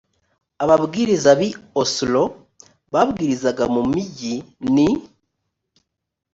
ababwiriza b i oslo babwirizaga mu migi n